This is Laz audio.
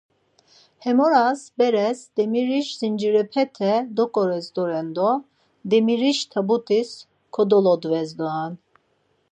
Hem oras beres demiriş zincirepete doǩores doren do demiriş tabutis kodolodves doren.